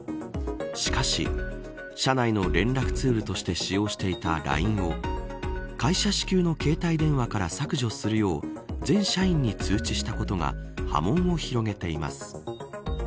しかし、社内の連絡ツールとして使用していたＬＩＮＥを会社支給の携帯電話から削除するよう、全社員に通知したことが波紋を広げています。